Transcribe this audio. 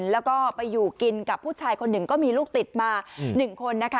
แล้วก็ไปอยู่กินกับผู้ชายคนหนึ่งก็มีลูกติดมา๑คนนะคะ